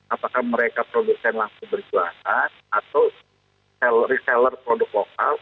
apakah mereka produsen langsung berjualan atau reseller produk lokal